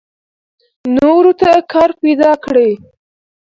نورو ته کار پیدا کړئ.